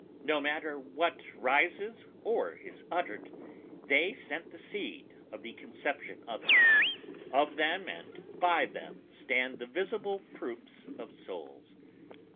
No matter what rises or is uttered they sent the seed of the conception of it ... of them and by them stand the visible proofs of souls